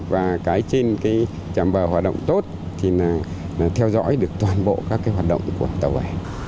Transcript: và cái trên cái trạm bờ hoạt động tốt thì là theo dõi được toàn bộ các cái hoạt động của tàu bè